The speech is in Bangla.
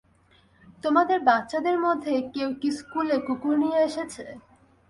তোমাদের বাচ্চাদের মধ্যে কেউ কি স্কুলে কুকুর নিয়ে এসেছে?